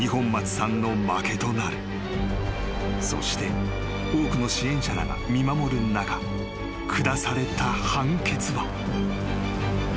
［そして多くの支援者らが見守る中下された判決は］